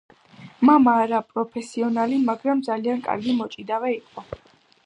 მამა არაპროფესიონალი, მაგრამ ძალიან კარგი მოჭიდავე იყო.